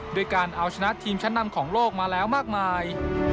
ด้วยการเอาชนะทีมชั้นนำของโลกมาแล้วมากมาย